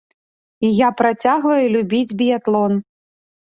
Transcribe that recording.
І я працягваю любіць біятлон.